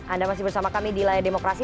anda masih bersama kami di layar demokrasi